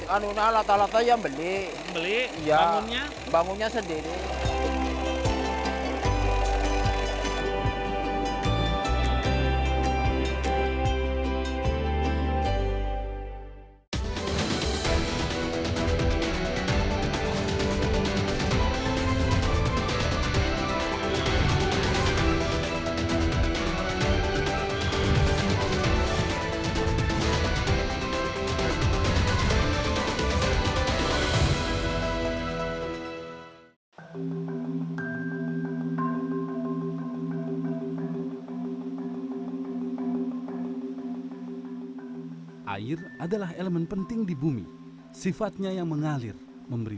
anuna lata lata yang beli